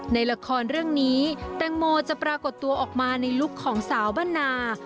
ในละครเรื่องนี้แตงโมจะปรากฏตัวออกมาในลุคของสาวบ้านนา